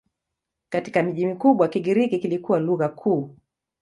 Katika miji mikubwa Kigiriki kilikuwa lugha kuu.